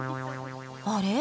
あれ？